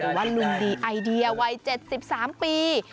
หรือว่าลุงดีไอเดียวัย๗๓ปี